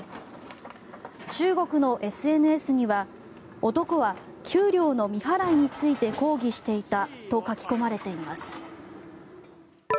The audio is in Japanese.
中国のＳＮＳには男は給料の未払いについて抗議していたと書き込まれています。